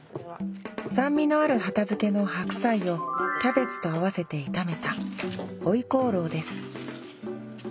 酸味のある畑漬の白菜をキャベツと合わせて炒めた回鍋肉です